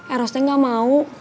erosnya gak mau